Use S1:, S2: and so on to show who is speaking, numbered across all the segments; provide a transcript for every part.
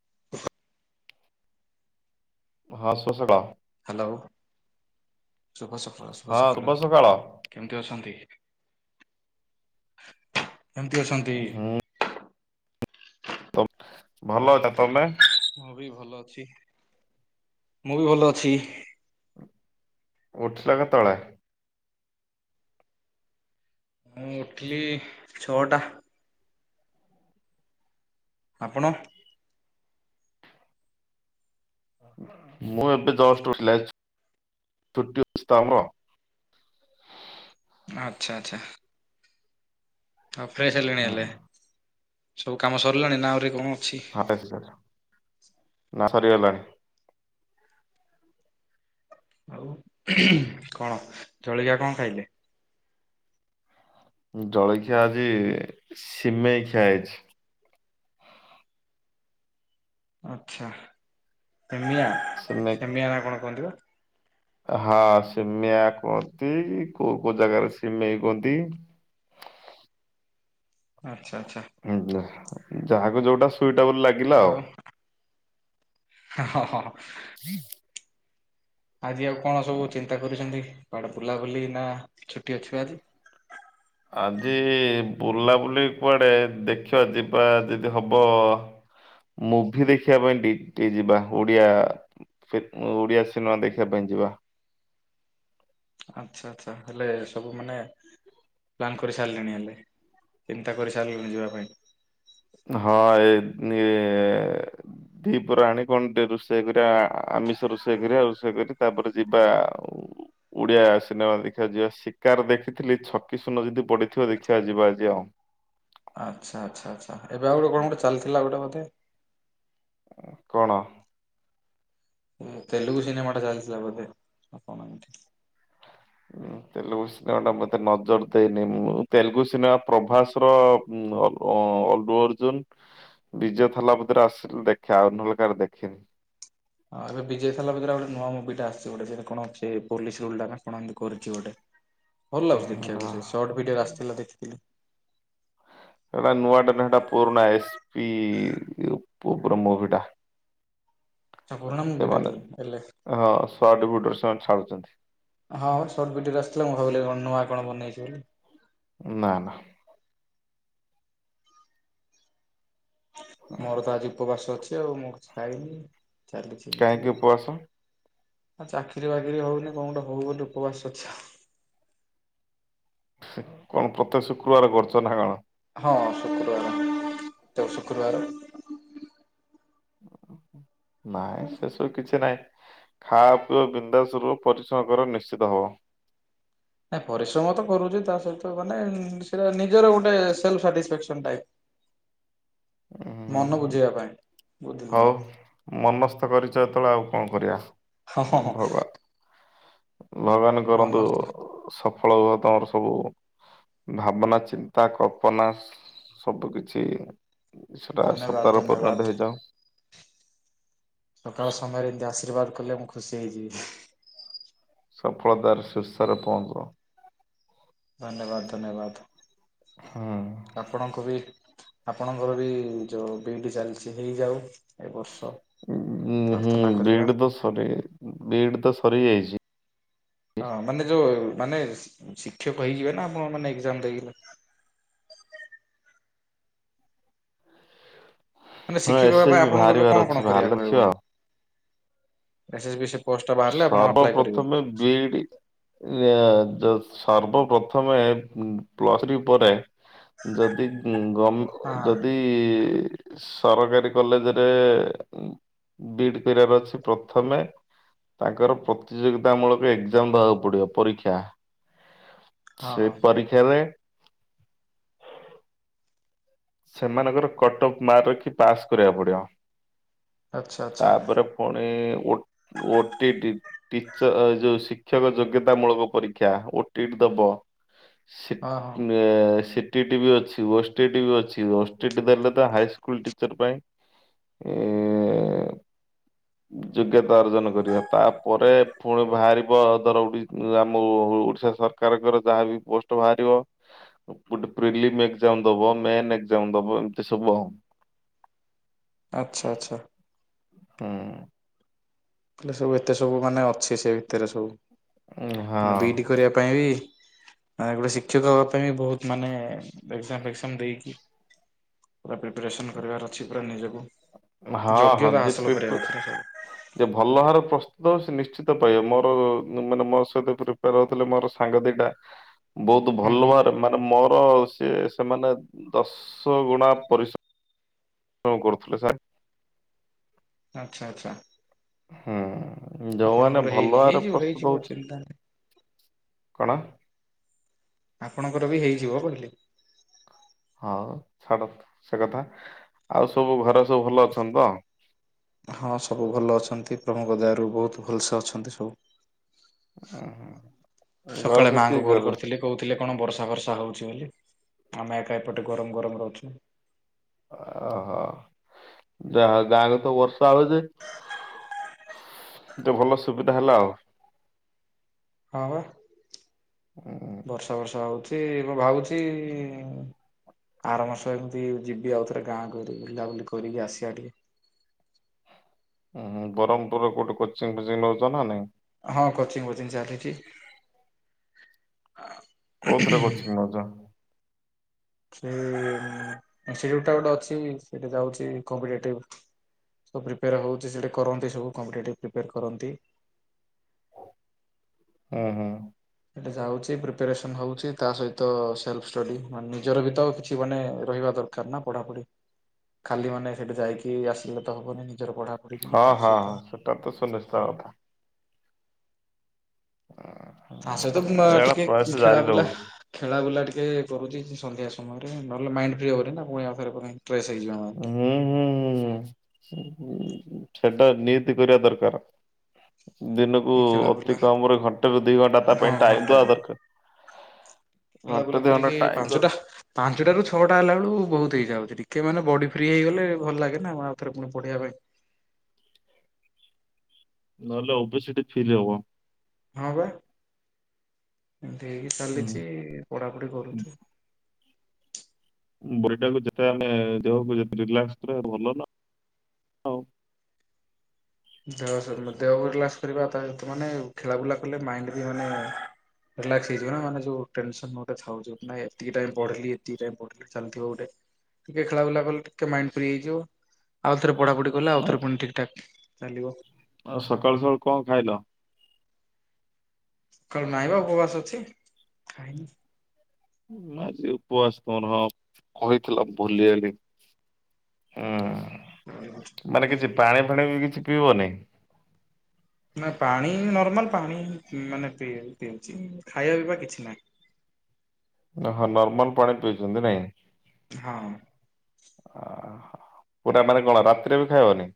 S1: [inaudible]
S2: ହଁ ଶ୍ଵସକ।
S1: ହାଲୋ ଶୁଭ ସକାଳ, ଶୁଭ ସକାଳ। କେମିତି ଅଛନ୍ତି? କେମିତି ଅଛନ୍ତି?
S2: ହୁଁ ଭଲ ଅଛି। ତମେ?
S1: ମୁଁ ବି ଭଲ ଅଛି। ମୁଁ ବି ଭଲ ଅଛି।
S2: ଉଠିଲ କେତେବେଳେ?
S1: ମୁଁ ଉଠିଲି ଛଅଟା। ଆପଣ?
S2: ମୁଁ ଏବେ ଜଷ୍ଟ ଉଠିଲି। ଆଜି ଛୁଟି ଅଛି ତ ଆମ
S1: ଆଚ୍ଛା ଆଚ୍ଛା। ହଁ ଫ୍ରେଶ ହେଲେଣି
S2: ହୁଁ।
S1: ହେଲେ, ସବୁ କାମ ସରିଲାଣି? ନାଁ ଆଉରି କଣ ଅଛି?
S2: ନା ସରିଗଲାଣି?
S1: ଆଉ କଣ? ଜଳିକିଆ କଣ ଖାଇଲେ?
S2: ଜଳଖିଆ ଆଜି ସିମେଇ ଖିଆ ହେଇଛି।
S1: ଆଚ୍ଛା। ସେମିଆ
S2: ସିମେଇ
S1: ସେମିଆ ନା କଣ କୁହନ୍ତି ବା?
S2: ହଁ ସିମେଆ କୁଅନ୍ତି। କୋଉ କୋଉ ଜାଗାରେ ସିମେଇ କୁଅନ୍ତି।
S1: ଆଚ୍ଛା ଆଚ୍ଛା।
S2: ଆଜ୍ଞା। ଯାହାକୁ ଯୋଉଟା ସୁଇଟେବୁଲ ଲାଗ
S1: ଆଉ ହଁ ହଁ ହଁ। ଆଜି ଆଉ କଣ ସବୁ ଚିନ୍ତା କରିଛନ୍ତି? କୁଆଡେ ବୁଲାବୁଲି ନା ଛୁଟି ଅଛି ପା ଆଜି?
S2: ଆଜି ବୁଲାବୁଲି କୁଆଡେ, ଦେଖିବା ଯିବା ଯଦି ହବ। ମୁଭି ଦେଖିବା ପାଇଁ ଡି ଟି ଯିବା ଓଡିଆ ଓଡିଆ ସିନେମା ଦେଖିବା ପାଇଁ ଯିବା।
S1: ଆଛା ଆଚ୍ଛା। ହେଲେ ସବୁ ମାନେ ପ୍ଲାନ୍ କରିସାରିଲେଣି ହେଲେ। ଚିନ୍ତା କରିସାରିଲେଣି ଯିବା ପାଇଁ?
S2: ହଁ ଏଇ ଏ ଦି ପର ଆଣି କଣ ଟିକେ ରୋଷେଇ କରିବା ଆମିଷ ରୋଷେଇ କରିବା ରୋଷେଇ କରି ତାପରେ ଯିବା ଆଉ ଓଡିଆ ସିନେମା ଦେଖି ଦେଖିଆ ଯିବା ଶିକାର ଦେଖିଥିଲି ଛକି ସୁୂନ ଯଦି ପଡିଥିବ ଦେଖିଆ ଯିବା ଆଜି ଆଉ।
S1: ଆଚ୍ଛା ଆଚ୍ଛା ଆଛା। ଏବେ ଆଉ ଗୋଟ କଣ ଗୋଟେ ଚାଲିଥିଲା ଗୋଟେ ବୋଧେ?
S2: କଣ?
S1: ତେଲୁଗୁ ସିନେମା ଟା ଚାଲିଥିଲା ବୋଧେ? ଆଉ କଣ?
S2: ଉଁ, ତେଲୁଗୁ ସିନେମା ଟା ମୁ ଏତେ ନଜର ଦେଇନି। ମୁଁ ତେଲୁଗୁ ସିନେମା ପ୍ରଭାସର ହୁଁ ଅ ଅଲ୍ଭୁ ଅର୍ଜୁନ ବିଜୟ ଥାଲାପତି ରେ ଆସିଲେ ଦେଖେ ଆଉ ନହେଲେ କାଆର ଦେଖେିନି।
S1: ହଁ ଏବେ ବିଜୟ ଥେଲାପତିର ଆଉ ଗୋଟେ ନୂଆ ମୁଭିଟେ ଆସିଛି ଗୋଟେ ସେ କଣ ଗୋଟେ ପୋଲିସ ରୋଲ ଟା ନା କଣ ଏମତି କରିଛି ଗୋଟେ। ଭଲ ଲାଗୁଛି ଦେଖିବାକୁ ସେ ସଟ ଭିଡିଓରେ ଆସିଥିଲା ଦେଖିଥିଲି।
S2: ସେଟା ନୂଆଟାନା ପୁରୁଣା ଏସ୍ ପି ବ୍ରହ୍ମ ମୁଭି ଟା।
S1: ଏଟା ପୁରୁଣା ମୁବିିଟା
S2: ସେମାନେ
S1: କିି ଏଲେ?
S2: ହଁ ସଡ ଫୁଡରେ ସେମାନେ ଛାଡୁଛନ୍ତି।
S1: ହଁ ହଁ ସର୍ଟ ଭିଡ଼ିଓରେ ଆସିଥିଲା ମୁଁ ଭାବିଲି କଣ ନୂଆ କଣ ବନେଇ
S2: ନା ନା।
S1: ମୋର ତ ଆଜି ଉପବାସ ଅଛି ଆଉ ମୁଁ କିଛି ଖାଇନି ଚାଲିଛି ଏମତି
S2: କାହିଁକି
S1: ଆଉ।
S2: ଉପବାସ
S1: ଆ ଚାକିରି ବାକିରି ହଉନି କଣ ଗୋେ ହଉ ବୋଲି ଉପବାସ ଅଛି।
S2: କଣ ପ୍ରତ୍ୟେକ ଶୁକ୍ରବାର କରୁଚ ନା କଣ?
S1: ହଁ, ଶୁକ୍ରବାର ତ ଶୁକ୍ରବାର।
S2: ନାଇଁ ସେସବୁ କିଛି ନାଇଁ ଖାଅ ପି।
S1: ନାଇଁ ପରିଶ୍ରମ ତ କରୁଛି ତା ସହିତ ମାନେ ସେଟା ନିଜର ଗୋଟେ ସେଲ୍ଫ ସାଟିଫେକ୍ସନ ଥାଏ।
S2: ଉଁ
S1: ମନ
S2: ହୁଁ
S1: ବୁଝେଇବା ପାଇଁ। ବୁଝିଲି ମୁଁ
S2: ହଉ ମନସ୍ତ କରିଛ ଯେତେବେଳେ ଆଉ କଣ କରିବା।
S1: ହଁ ହଁ ହଁ।
S2: ଭଗବାନ ଭଗବାନ
S1: ମନ
S2: କରନ୍ତୁ ସଫଳ ହୁଅ ତମର ସବୁ। ଭାବନା ଚିନ୍ତା କଳ୍ପନା ସବୁ କିଛି। ସେଟା
S1: ଧନ୍ୟବାଦ
S2: ସତର
S1: ଧନ୍ୟବାଦ
S2: ପରିଣତ ହେଇଯାଉ।
S1: ସକାଳ ସମୟରେ ଏମତି ଆଶୀର୍ବାଦ କଲେ ମୁଁ ଖୁସି ହେଇଯିବି।
S2: ସଫଳତାର ଶୀର୍ଷରେ ପହଞ୍ଚ।
S1: ଧନ୍ୟବାଦ ଧନ୍ୟବାଦ।
S2: ହୁଁ।
S1: ଆପଣଙ୍କୁ ବି। ଆପଣଙ୍କର ବି ଯୋଉ ବିଡି ଚାଲିଛି ହେଇଯାଉ ଏ ବର୍ଷ।
S2: ଉଁ ହୁଁ
S1: ପ୍ରାର୍ଥନା କରିବା
S2: ବିଟ ତ ସରି ବିଟ ତ ସରି ଯାଇଛି।
S1: ହଁ ମାନେ ଯୋଉ ମାନେ ଶିକ୍ଷକ ହେଇଯିବେ ନା ଆପଣ ମାନେ ଏଜାମ ଦେଇଗଲେ। ମାନେ
S2: ହଁ
S1: ଶିକ୍ଷକ
S2: ଏସ୍
S1: ହେବା
S2: ଏସ୍
S1: ପାଇଁ
S2: ବି
S1: ଆପଣଙ୍କୁ ଏବେ
S2: ବାହାରିବାର
S1: କଣ
S2: ଅଛି
S1: କଣ
S2: ବାହାରିଲେ
S1: କରିବାକୁହହେବ।
S2: ଦେଖିବା ଆଉ। ସର୍ବପ୍ରଥମେ ବିଡି ଇ ଏ ସର୍ବପ୍ରଥମେ ପ୍ଲସ ଠ୍ରୀ ପରେ ଯଦି ଗ
S1: ହଁ
S2: ଯଦି କି ସରକାରୀ କଲେଜରେ ବିଟ କରିବାର ଅଛି ପ୍ରଥମେ ତାଙ୍କର ପ୍ରତିଯୋଗିତା ମୂଳକ ଏକ୍ଜାମ ଦେବାକୁ ପଡିବ ପରୀକ୍ଷା।
S1: ହଁ
S2: ସେ
S1: ହଁ।
S2: ପରୀକ୍ଷାାରେରେ ସେମାନଙ୍କର କଟ ଅଫ୍ ମାର୍କ ରଖି ପାସ୍ କରିବାକୁ ପଡିବ
S1: ଆଚ୍ଛା ଆଚ୍ଛା
S2: ତାପରେ ପୁଣିଓ ଓଟିଇଟି। ଟିଚ ଯୋଉ ଶିକ୍ଷକ ଯୋଗ୍ୟତା ମୂଳକ ପରୀକ୍ଷା ଓଟିଇଟି ଦବ।
S1: ହଁ ହଁ
S2: ସିଟି ଟିଭି ଅଛି ଉଷ୍ଟ ଟିଭି ଅଛି। ଓ ଏସ ଟି ଟି ଦେଲେ ତ ହାଇସ୍କୁଲ ଟିଚର ପାଇଁ। ଯୋଗ୍ୟତା ଅର୍ଜନ କରିବା ତାପରେ ପୁଣି ବାହାରିବ ଧର ଆମ ଓଡ଼ିଶା ସର ସରକାର କର ଜାହାବି ପୋଷ୍ଟ ବାହାରିବା, ଗୋଟେ ପ୍ରେଲିମ ଏକ ଜାମ ଦବ ମେନ ଏକ ଜାମ ଦବ ଏମିତି ସବୁ ଆଉ।
S1: ଆଚ୍ଛା ଆଚ୍ଛା।
S2: ହୁଁ।
S1: ସବୁ ଏତେ ସବୁ ମାନେ ଅଛି ସେ ଭିତରେ ସବୁ ମାନେ
S2: ହଁ।
S1: ବିଡି କରିବା ପାଇଁ ବି ଗୋଟେ ଶିକ୍ଷକ ହବା ପାଇଁ ବି ବହୁତ ମାନେ ଏକ ଜାମ ଦେଇକି ପୁରା ପ୍ରିପାରେଶନ କରିବାର ଅଛି। ପୁରା ନିଜକୁ
S2: ହଁ ହଁ
S1: ଯୋଗ୍ୟତା
S2: ଯେ
S1: ହାସଲ
S2: ପ୍ରିପ
S1: କରିବାର
S2: ଯେ ଭଲ ହାର ପ୍ରସ୍ତୁତ ହଉ ସେ ନିଶ୍ଚିତ ପାଇବେ ମୋର ମାନେ ମୋ ସହିତ ପ୍ରିପେୟାର ହେଉଥିଲେ ମୋର ସାଙ୍ଗ ଦି ଟା ଁ ବହୁତ
S1: ହୁଁ
S2: ଭଲ
S1: ହୁଁ
S2: ଭାବରେ ମାନେ ମୋର ସିଏ ସେମାନେ ଦଶ ଗୁଣା ପରି ହଁ କରୁଥିଲଥିଲେ ସାର୍
S1: ଆଚ୍ଛା ଆଚ୍ଛା।
S2: ହୁଁ, ଯଉମାନେ
S1: ଆପଣଙ୍କର ହେଇନି
S2: ଭଲ ଆରେ
S1: ହେଇଯିବ
S2: ପ୍ରସ୍ତୁତ
S1: ହେଇଯିବ
S2: ହଉଛି
S1: ଚିନ୍ତା ନାହିଁ।
S2: କଣ?
S1: ଆପଣଙ୍କର ବି ହେଇଯିବ କହିଲି?
S2: ହଁ ଛାଡ ସେ କଥା ଆଉ ସବୁ ଘରେ ସବୁ ଭଲ ଅଛନ୍ତି ତ?
S1: ହଁ ସବୁ ଭଲ ଅଛନ୍ତି ପ୍ରଭୁଙ୍କ ଦୟରୁ ବହୁତ ଭଲସେ ଅଛନ୍ତି ସବୁ।
S2: ଉହୁଁ। ଘରେ
S1: ସକାଳେ
S2: ସବୁ କିଏ
S1: ମାଙ୍କୁ
S2: କିଏ
S1: କଲ
S2: ରହୁଛନ୍ତି?
S1: କରିଥିଲି। କହୁଥିଲେ କଣ ବର୍ଷା ଫର୍ଷା ହଉଛି ବୋଲି ଆମେ ଏକା ଏପଟେ ଗରମ ଗରମ ଅଛୁ।
S2: ଓହୋ ଯା ହଉ ଗାଁ ରେ ତ ବର୍ଷା ହଉଛି। ଟେ ଭଲ ସୁବିଧା ହେଲା ଆଉ।
S1: ହଁ ବା।
S2: ହୁଁ।
S1: ବର୍ଷା ବର୍ଷା ହଉଛି ମୁଁ ଭାବୁଛି ଆର ମାସ ଏମିତି ଯିବି ଆଉ ଥରେ ଗାଁ କୁ ଟିକେ ବୁଲା ବୁଲି କରିକି ଆସିବି ଟିକେ।
S2: ହୁଁ ହୁଁ ବ୍ରହ୍ମପୁରରେ ଗୋଟେ କୋଚି ଫୋଚିଂ ନଉଛ ନା ନାଇଁ?
S1: ହଁ କୋଚିଂ ଫୋଚିଂ ଚାଲିଛି।
S2: କୋଉଥିରେ କୋଚିଂ ନଉଛ?
S1: ଅଛି ଇନଷ୍ଟିଚ୍ୟୁଟ୍ ଟେ ଅଛି ଯାଉଛି କମ୍ପିଟେଟିଭ। ସବୁ ପ୍ରିପେୟାର ହେଉଛି ସେଇଠି କରନ୍ତି ସବୁ କମ୍ପିଟେଟିଭ୍ ପ୍ରିପେୟାର କରନ୍ତି।
S2: ହୁଁ ହୁଁ।
S1: ସେଟା ଯାଉଛି ପ୍ରିପାରେସନ ହଉଛି ତା ସହିତ ସେଲ୍ଫ ଷ୍ଟଡି ମାନେ ନିଜର ଭି ତ କିଛି ମାନେ ରହିବା ଦରକାର। କା ନା ପଢାପଢି ଖାଲି ମାନେ ସେଉଠୁ ଯାଇକି ଆସିଲେ ତ ହବନି ନିଜର ପଢା
S2: ହଁ ହଁ ହଁ ସେଟା ତ ସୁନିଶ୍ଚିତ କଥା। ହଁ।
S1: ତା ସହିତ ମ୍ ଟିକେ ଖେଳା ବୁଲା ଖେଳା ବୁଲା ଟିକେ କରୁଛି ସନ୍ଧ୍ୟା ସମୟରେ ନହେଲେ ମାଇଣ୍ଡ ଫ୍ରି ହବନି ନା ପୁଣି ୟା ଆଉ ଥରେ ପୁଣି [unintelligible]
S2: ଉଁ ହୁଁ ସେଟା ନିହାତି କରିବା ଦରକାର ଦିନକୁ
S1: ଏ
S2: ଉଁ
S1: ଖେଳା ବୁଲା
S2: ଅତି କମ ରେ ଘଣ୍ଟା ରୁ ଦି ଘଣ୍ଟା ତା
S1: ହଁ
S2: ପାଇଁ ଟାଇମ ଦବା
S1: ଘଣ୍ଟାଟେ
S2: ଦରକାର।
S1: ଖେଳା
S2: ଘଣ୍ଟେ
S1: ବୁଲା
S2: ଦି ଘଣ୍ଟା
S1: କରିକି
S2: ଟାଇମ ଦଉ
S1: ପାଞ୍ଚଟା। ପାଞ୍ଚଟାରୁ ଛଅଟା ହେଲା ବେଳକୁ ବହୁତ ହେଇଯାଉଛି ଟିକେ ମାନେ ବଡି ଫ୍ରି ହେଇଗଲେ ଭଲ ଲାଗେ ନା ଆଉଥରେ ପୁଣି ପଢିବା ପାଇଁ।
S2: ନହେଲେ ଓବେସିଟି ଫିଲ୍ ହବ।
S1: ହଁ ବା ଏମତି ହେଇକି
S2: ହୁଁ।
S1: ଚାଲିଛି ପଢାପଢି କରୁଛୁ।
S2: ବଡି ଟାକୁ ଯେତେ ଆମେ ଦେହକୁ ରିଲାକ୍ସ କରିଆ ଭଲ ନ ଆଉ।
S1: ଦେହ ଦେହକୁ ରିଲାକ୍ସ କରିବା ତା ତ ମାନେ ଖେଳାବୁଲା କଲେ ମାଇଣ୍ଡ ବି ମାନେ ରିଲାକ୍ସ ହେଇଯିବ ନା ମାନେ ଯଉ ଟେନସନ ଗୋଟେ ଥାଉଚି ନାଁ ଏତିକି ଟାଇମ ପଢ଼ିଲି ଏତିକି ଟାଇମ ପଢ଼ିଲି। ଚାଲିଥିବ ଗୋଟେ ଟିକେ ଖେଳାବୁଲା କଲେ ଟିକେ ମାଇଣ୍ଡ ଫ୍ରି ହେଇଯିବ ଆଉ ଥରେ ପଢାପଢି ଗଲା
S2: ଆଉ
S1: ଆଉଥରେ ପୁଣି ଠିକ୍ ଠାକ୍ ଚାଲିବ।
S2: ଆଉ ସକାଳୁ ସକାଳୁ କଣ ଖାଇଲ?
S1: ସକାଳୁ ନାଇବା ଉପବାସ ଅଛି ଖାଇନି।
S2: ଆଜି ଉପବାସ ତୁମର ହଁ କହିଥିଲ ଭୁଲିଗଲି। ହୁଁ ମାନେ କିଛି ପାଣି ଫାଣି ବି କିଛି ପିଇବନି?
S1: ନା ପାଣି ନର୍ମାଲ ପାଣି ମାନେ ପିଇ ପିଉଛି ଖାଇବା ପିଇବା କିଛି ନାହିଁ।
S2: ଓହ ନର୍ମାଲ ପାଣି ପିଇଛନ୍ତି ନାଇଁ।
S1: ହଁ।
S2: ଅହ ପୁରା ମାନେ କଣ ରାତିରେ ବି ଖାଇବନି?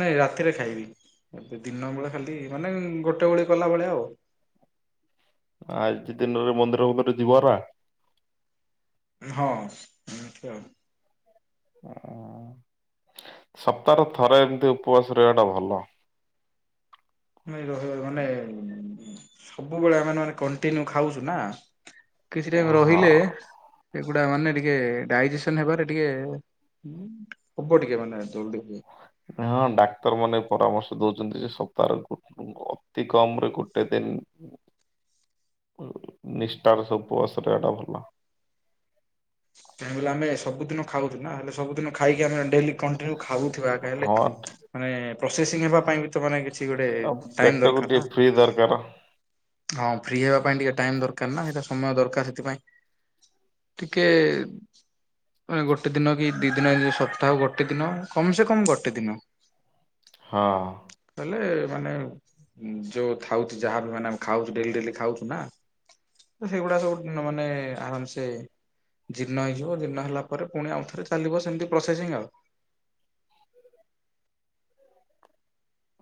S1: ନାଇଁ ରାତିରେ ଖାଇବି ଏବେ ଦିନ ବେଳେ ଖାଲି ମାନେ ଗୋଟେ ଓଳି କଲା ଭଳିଆ ଆଉ।
S2: ଆଜି ଦିନରେ ମନ୍ଦିର ଫନ୍ଦିର ଯିବରା।
S1: ହଁ ଏମିତି ଆଉ।
S2: ହଁ ସପ୍ତାହରେ ଥରେ ଏମିତି ଉପବାସ ରହିବା ଟା ଭଲ।
S1: ମାନେ ରହିବୁ ସବୁବେଳେ ଆମେ ମେ କଣ୍ଟିନିଉ ଖାଉଛୁ ନା। କିଛି ଟାଇମ
S2: ହଁ
S1: ରହିଲେ ଏଗୁଡ଼ା ମାନେ ଟିକେ ଡାଇଜେସନ୍ ହେବାରେ ଟିକେ ହବ ଟିକେ ମାନେ ଜଲଦି ହୁଏ।
S2: ହଁ ଡାକ୍ତର ମାନେ ପରାମର୍ଶ ଦଉଛନ୍ତି ସେ ସପ୍ତାହରେ ଅତି କମ ରେ ଗୋଟେ ଦିନ ନିଷ୍ଠାର ସବୁ [unintelligible] ଭଲ।
S1: କାଇଁ କହିଲ ଆମେ ସବୁ ଦିନ ଖାଉଚୁନା ହେଲେ ସବୁଦିନ ଖାଇକି ଆମେ ଡେଲି ଖାଇକି କଣ ଟିକେ ଖାଉ।
S2: ହଁ।
S1: [unintelligible] ପ୍ରସେସିଂ ହେବା ପାଇଁ ବି ତ ମାନେ କିଛି ଗୋଟେ ଟାଇମ ଦରକାର ନା।
S2: ଫ୍ରୀ ଦରକାର।
S1: ହଁ ଫ୍ରି ହେବା ପାଇଁ ଟିକେ ଟାଇମ ଦରକାର ନା ସେଇଟା ସମୟ ଦରକାର ସେଥିପାଇଁ। ଟିକେ [unintelligible] ଗୋଟେ ଦିନ କି ଦିଇ ଦିନ ସପ୍ତାହ ଗୋଟେ ଦିନ କମ ସେ କମ ଗୋଟେ ଦିନ। [inaudible]
S2: ହଁ।
S1: ହେଲେ ମାନେ ଯୋଉ ଥାଉଛି ଯାହାବି ମାନେ ଖାଉଛୁ ଡେଲି ଡେଲି ଖାଉଛୁ ନା ତ ସେଗୁଡା ସବୁ ମାନେ ଆରାମ ସେ ଜୀର୍ଣ୍ଣ ହେଇଯିବ ଜୀର୍ଣ୍ଣ ହେଲା ପରେ ପୁଣି ଆଉ ଥରେ ଚାଲିବ ସେମିତି ପ୍ରୋସେସିଂଙ୍ଗୀ ଆଉ।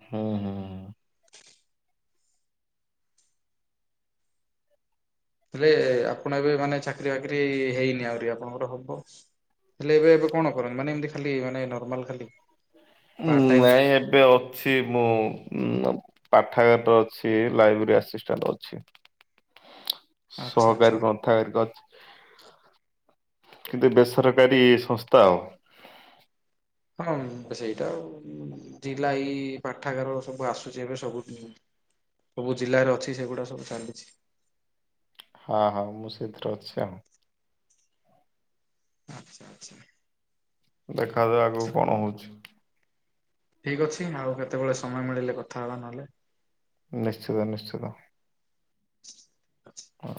S2: ହୁଁ ହୁଁ।
S1: ହେଲେ ଆପଣ ଏବେ ମାନେ ଚାକିରି ବାକିରି ହେଇନି ଆହୁରି ଆପଣଙ୍କର ହବ? ହେଲେ ଏ ଏବେ କଣ କରନ୍ତି ମାନେ ଏମତି ଖାଲି ନର୍ମାଲ ଖାଲି
S2: ହୁଁ
S1: ପାର୍ଟ ଟାଇମ୍
S2: ନାଇ ଏବେ ଆଉ ସି ମୁଁ ଉଁ ପାଠାଗାର ଅଛି ଲାଇବେରୀ ଆସିଷ୍ଟାଣ୍ଡ ଅଛି।
S1: ଆଚ୍ଛା ଆଚ୍ଛା।
S2: ସହକାରୀ କହନ୍ତୁ? [unintelligible] କିନ୍ତୁ ବେସରକାରୀ ସଂସ୍ଥା ଆଉ।
S1: ହଁ ସେଇଟା ଆଉ ଜିଲ୍ଲାଇ ପାଠାଗାର ସବୁ ଆସୁଛି ଏବେ ସବୁ ସବୁ ଜିଲ୍ଲାରେ ଅଛି ସେଗୁଡ଼ା ସବୁ ଚାଲିଛି।
S2: ହଁ ହଁ ମୁଁ ସେଥିରେ ଅଛି ଆଉ।
S1: ଆଚ୍ଛା ଆଚ୍ଛା
S2: ଦେଖାଯାଉ ଆଗକୁ କଣ ହଉଛି?
S1: ଠିକ ଅଛି ଆଉ କେତେବେଳେ ସମୟ ମିଳିଲେ କଥା ହେବା ନହେଲେ।
S2: ନିଶ୍ଚିତ ନିଶ୍ଚିତ।
S1: ଆଛା।
S2: ହ